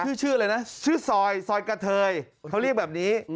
ชื่อชื่ออะไรนะชื่อซอยซอยกระเทยเขาเรียกแบบนี้